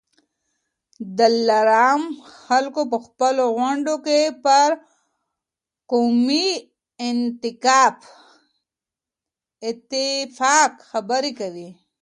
د دلارام خلک په خپلو غونډو کي پر قومي اتفاق خبرې کوي.